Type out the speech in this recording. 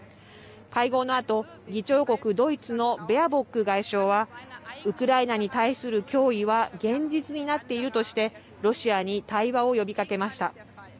会合のあと、議長国ドイツのベアボック外相は、ウクライナに対する脅威は現実になっているとして、ロシアに対話を呼びかけました。